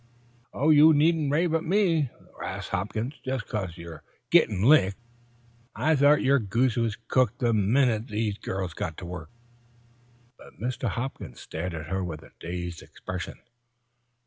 "Oh, you needn't rave at me, 'Rast Hopkins, just 'cause you're gettin' licked. I thought your goose was cooked the minnit these girls got to work." Mr. Hopkins stared at her with a dazed expression.